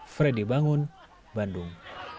fredy bangun bandung